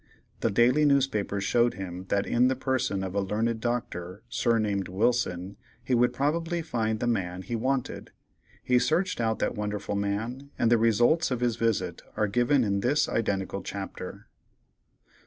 The daily newspapers showed him that in the person of a learned doctor, surnamed Wilson, he would probably find the man he wanted. He searched out that wonderful man, and the results of his visit are given in this identical chapter.